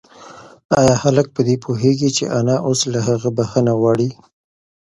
ایا هلک په دې پوهېږي چې انا اوس له هغه بښنه غواړي؟